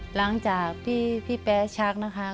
หลังจากที่พี่แป๊ชักนะคะ